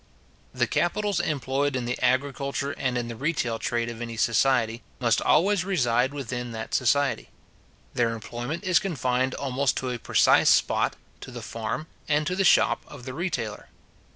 The capitals employed in the agriculture and in the retail trade of any society, must always reside within that society. Their employment is confined almost to a precise spot, to the farm, and to the shop of the retailer.